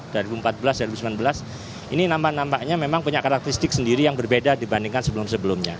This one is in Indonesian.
dua ribu empat belas dua ribu sembilan belas ini nampak nampaknya memang punya karakteristik sendiri yang berbeda dibandingkan sebelum sebelumnya